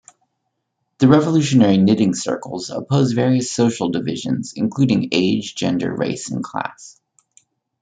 The Revolutionary Knitting Circles oppose various social divisions, including age, gender, race and class.